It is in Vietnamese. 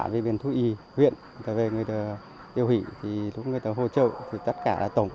bản viên thú y huyện người tiêu hủy người hỗ trợ tất cả là tổng